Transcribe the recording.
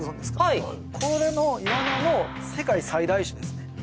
はいこれのイワナの世界最大種ですね